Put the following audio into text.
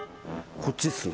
こっちっすね